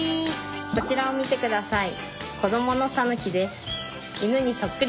こちらを見てください。